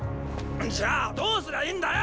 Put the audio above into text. じゃどうすりゃいいんだよ